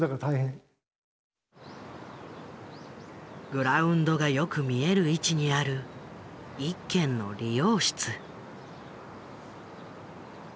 グラウンドがよく見える位置にある一軒の理容室。